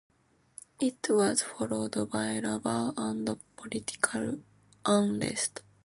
It was followed by labour and political unrest.